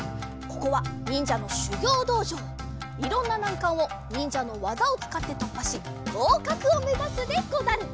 いろんななんかんをにんじゃのわざをつかってとっぱしごうかくをめざすでござる！